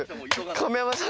亀山さん。